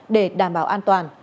để đảm bảo an toàn